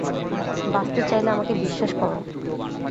বাঁচতে চাইলে আমাকে বিশ্বাস কর।